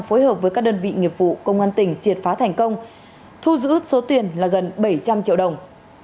phối hợp với các đơn vị nghiệp vụ công an tỉnh triệt phá thành công thu giữ số tiền là gần bảy trăm linh triệu đồng